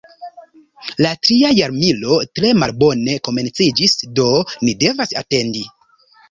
La tria jarmilo tre malbone komenciĝis, do ni devas atendi.